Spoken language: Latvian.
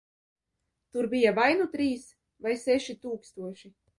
Tur bija vai nu trīs, vai seši tūkstoši.